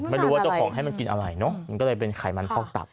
ไม่รู้ว่าเจ้าของให้มันกินอะไรเนอะมันก็เลยเป็นไขมันพอกตับ